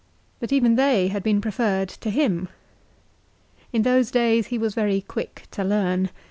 But even they had been preferred to him. In those days he was very quick to learn.